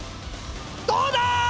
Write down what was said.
どうだ